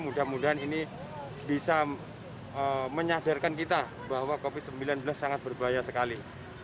mudah mudahan ini bisa menyadarkan kita bahwa covid sembilan belas sangat berbahaya sekali